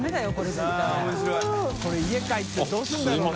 海家帰ってどうするんだろうな？